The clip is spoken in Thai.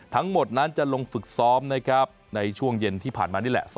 ทั้งหมดนั้นจะลงฝึกซ้อมนะครับในช่วงเย็นที่ผ่านมานี่แหละ